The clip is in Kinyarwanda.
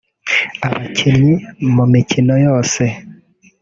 Abakinnyi mu mikino yose